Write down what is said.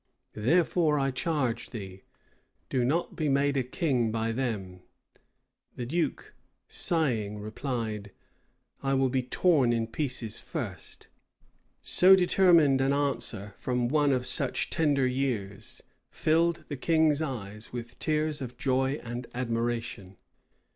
Therefore I charge thee, do not be made a king by them!" The duke, sighing, replied, "I will be torn in pieces first!" So determined an answer, from one of such tender years, filled the king's eyes with tears of joy and admiration.